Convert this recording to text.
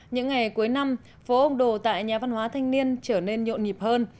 những ngày cuối năm phố ông đồ tại nhà văn hóa thanh niên trở nên nhộn nhịp hơn